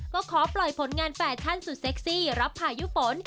ก็ขอปล่อยผลงานแฟชั่นสุดเซ็กซี่รับพายุฝน